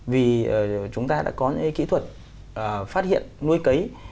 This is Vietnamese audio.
vì chúng ta đã có những kỹ thuật phát hiện nuôi cấy